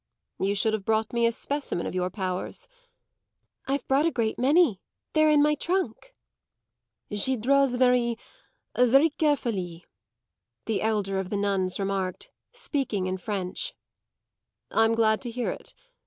"You should have brought me a specimen of your powers." "I've brought a great many; they're in my trunk." "She draws very very carefully," the elder of the nuns remarked, speaking in French. "I'm glad to hear it.